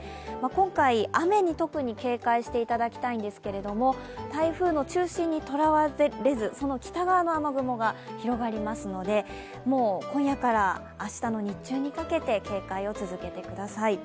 今回、雨に特に警戒していただきたいんですけど、台風の中心にとらわれず、その北側の雨雲が広がりますので今夜から明日の日中にかけて警戒を続けてください。